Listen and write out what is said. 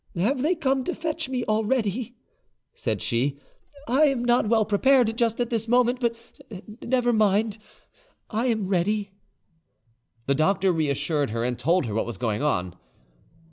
"Have they come to fetch me already?" said she. "I am not well prepared just at this moment; but never mind, I am ready." The doctor reassured her, and told her what was going on.